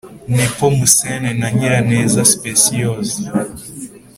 népomuscène na nyiraneza spéciose